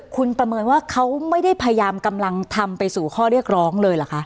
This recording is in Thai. คุณประเมินว่าเขาไม่ได้พยายามกำลังทำไปสู่ข้อเรียกร้องเลยเหรอคะ